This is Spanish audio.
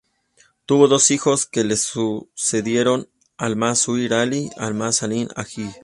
Tuvo dos hijos que le sucedieron: Al-Mansur Ali y Al-Salih Hajji.